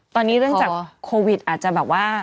ตอนนี้เนื่องจากโควิดอาจจะแบบว่า